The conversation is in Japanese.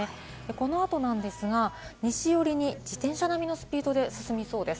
この後なんですが、西寄りに自転車並みのスピードで進みそうです。